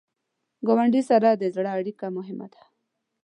ګاونډي سره د زړه اړیکه مهمه ده